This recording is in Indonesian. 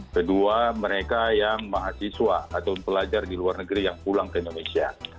kedua mereka yang mahasiswa atau pelajar di luar negeri yang pulang ke indonesia